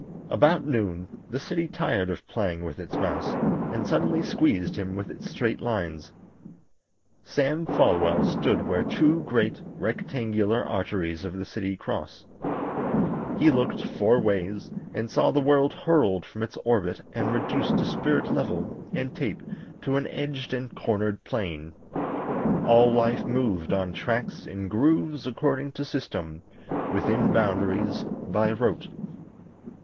About noon the city tired of playing with its mouse and suddenly squeezed him with its straight lines. Sam Folwell stood where two great, rectangular arteries of the city cross. He looked four ways, and saw the world hurled from its orbit and reduced by spirit level and tape to an edged and cornered plane. All life moved on tracks, in grooves, according to system, within boundaries, by rote.